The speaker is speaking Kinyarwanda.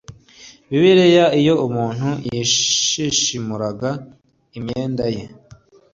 Bibiliya iyo umuntu yashishimuraga imyenda ye